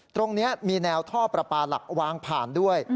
ตรงนี้มีแนวท่อประปาหลักวางผ่านด้วย